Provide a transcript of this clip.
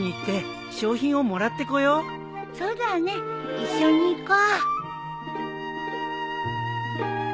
一緒に行こう。